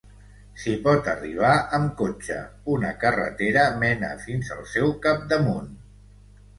S'hi pot arribar amb cotxe, una carretera mena fins al seu capdamunt.